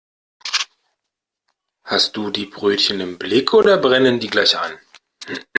Hast du die Brötchen im Blick oder brennen die gleich an?